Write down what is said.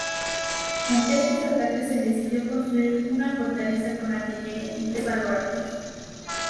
Ante estos ataques se decidió construir una fortaleza con artillería en tres baluartes.